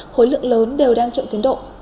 khối lượng lớn đều đang chậm tiến độ